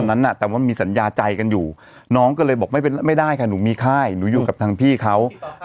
ตอนนั้นน่ะแต่ว่ามีสัญญาใจกันอยู่น้องก็เลยบอกไม่เป็นไม่ได้ค่ะหนูมีค่ายหนูอยู่กับทางพี่เขาติดต่อท่าน